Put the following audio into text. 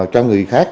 cho người khác